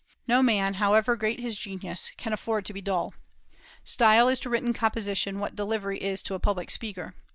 No man, however great his genius, can afford to be dull. Style is to written composition what delivery is to a public speaker.